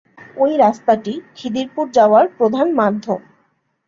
ওই রাস্তাটি খিদিরপুর যাওয়ার প্রধান মাধ্যম।